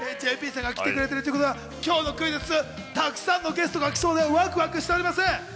ＪＰさんが来てくれているということは今日のクイズッス、たくさんのゲストが来そうで、ワクワクしております。